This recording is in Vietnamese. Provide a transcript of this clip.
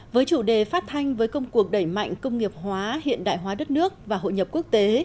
với chủ đề phát thanh với công cuộc đẩy mạnh công nghiệp hóa hiện đại hóa đất nước và hội nhập quốc tế